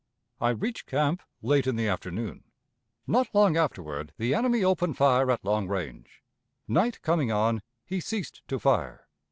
"I reached camp late in the afternoon. Not long afterward the enemy opened fire at long range; night coming on, he ceased to fire.